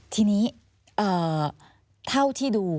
ทีนี้เท่าที่ดู